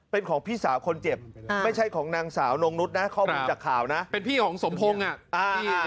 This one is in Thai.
เป็นพี่ของสมพงศ์อ่ะ